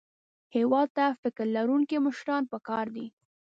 هېواد ته فکر لرونکي مشران پکار دي